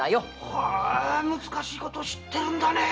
へぇ難しいことを知ってるんだね。